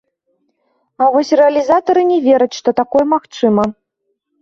А вось рэалізатары не вераць, што такое магчыма.